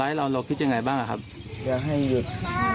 เราเราคิดยังไงบ้างครับอยากให้หยุด